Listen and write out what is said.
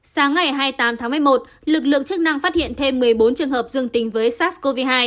sáng ngày hai mươi tám tháng một mươi một lực lượng chức năng phát hiện thêm một mươi bốn trường hợp dương tính với sars cov hai